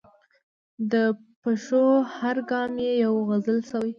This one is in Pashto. د پښو هر ګام یې یوه غزل شوې.